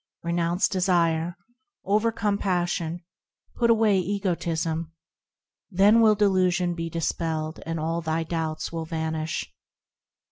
Renounce desire ; Overcome passion ; Put away egotism, Then will delusion be dispelled, and all thy doubts will vanish.